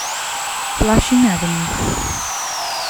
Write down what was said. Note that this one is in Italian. Flushing Avenue